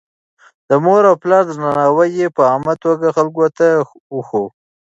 د مور او پلار درناوی يې په عامه توګه خلکو ته ښووه.